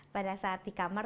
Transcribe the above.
pada saat di kamar